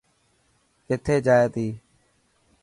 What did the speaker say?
ڪٿي جائي تي.